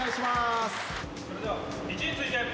それでは位置について。